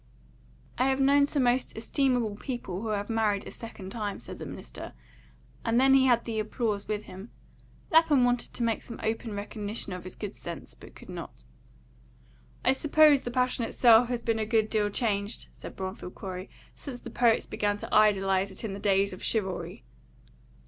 "I have known some most estimable people who had married a second time," said the minister, and then he had the applause with him. Lapham wanted to make some open recognition of his good sense, but could not. "I suppose the passion itself has been a good deal changed," said Bromfield Corey, "since the poets began to idealise it in the days of chivalry."